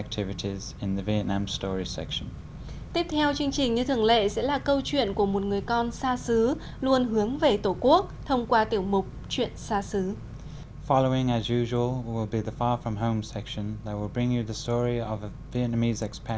tiếp theo chương trình như thường lệ sẽ là câu chuyện của một người con xa xứ luôn hướng về tổ quốc thông qua tiểu mục chuyện xa xứ